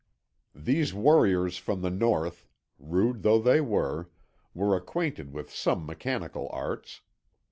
"These warriors from the North rude though they were were acquainted with some mechanical arts.